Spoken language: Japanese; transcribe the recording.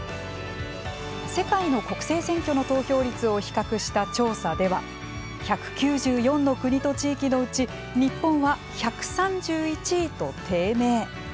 世界の国政選挙の投票率を比較した調査では１９４の国と地域のうち日本は１３１位と低迷。